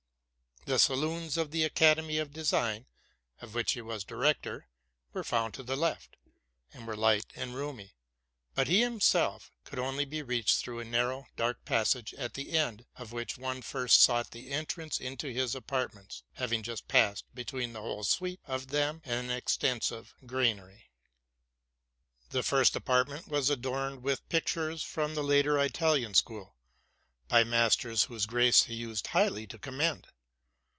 The saloon: of the Academy of Design, of which he was director, wer RELATING TO MY LIFE. Zot found to the left, and were light and roomy ; but he himself could only be reached through a narrow, dark passage, at the end of which one first sought the entrance into his apart ments, having just passed between the whole suite of them and an extensive granary. 'The first apartment was adorned with pictures from the later Italian school, by masters whose grace he used highly to commend.